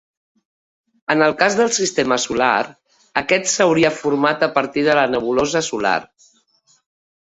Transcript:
En el cas del sistema solar, aquest s'hauria format a partir de la nebulosa solar.